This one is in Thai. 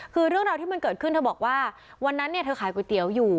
คือเรื่องราวที่มันเกิดขึ้นเธอบอกว่าวันนั้นเนี่ยเธอขายก๋วยเตี๋ยวอยู่